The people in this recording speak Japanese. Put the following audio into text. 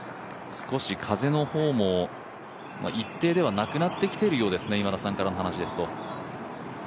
少し風の方も一定ではなくなってきているようですね、今田さんからの話ですと。